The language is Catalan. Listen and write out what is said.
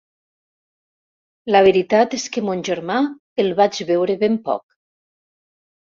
La veritat és que mon germà el vaig veure ben poc.